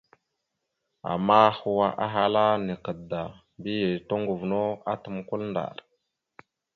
Ama hwa ahala naka da, toŋgov no atam kwal ndar.